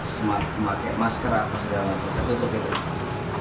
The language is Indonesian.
memakai masker apa segala macam tertutup gitu